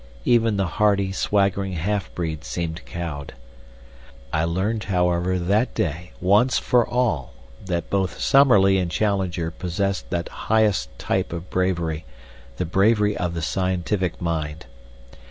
Even the hardy, swaggering half breed seemed cowed. I learned, however, that day once for all that both Summerlee and Challenger possessed that highest type of bravery, the bravery of the scientific mind.